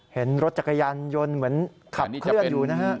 เห็นรถจักรยานยนต์เหมือนขับเคลื่อนอยู่นะฮะ